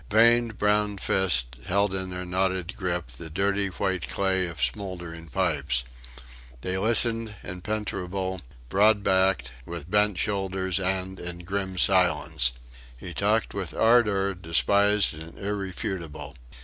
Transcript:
Veined, brown fists held in their knotted grip the dirty white clay of smouldering pipes. They listened, impenetrable, broad backed, with bent shoulders, and in grim silence. He talked with ardour, despised and irrefutable.